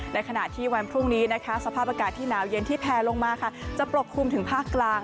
ในขณะที่วันพรุ่งนี้สภาพอากาศที่หนาวเย็นที่แพลลงมาจะปกคลุมถึงภาคกลาง